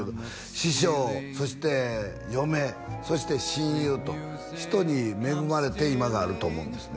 師匠そして嫁そして親友と人に恵まれて今があると思うんですね